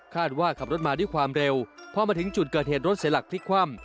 ว่าขับรถมาด้วยความเร็วพอมาถึงจุดเกิดเหตุรถเสียหลักพลิกคว่ำ